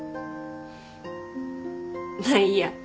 まあいいや。